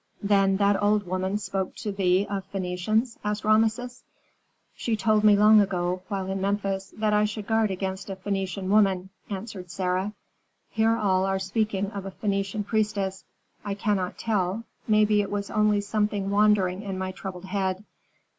"Then that old woman spoke to thee of Phœnicians?" asked Rameses. "She told me long ago, while in Memphis, that I should guard against a Phœnician woman," answered Sarah. "Here all are speaking of a Phœnician priestess. I cannot tell; maybe it is only something wandering in my troubled head.